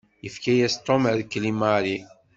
Yefka-yas Tom rrkel i Mary.